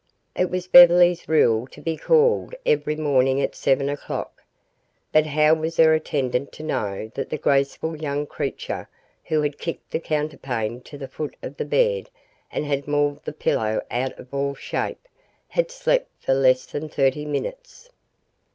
It was Beverly's rule to be called every morning at seven o'clock. But how was her attendant to know that the graceful young creature who had kicked the counterpane to the foot of the bed and had mauled the pillow out of all shape, had slept for less than thirty minutes?